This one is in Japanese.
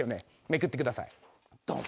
めくってくださいドン。